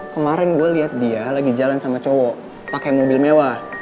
kemarin gue lihat dia lagi jalan sama cowok pakai mobil mewah